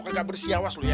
kagak bersiawas lo ya